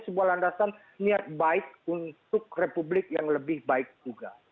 sebuah landasan niat baik untuk republik yang lebih baik juga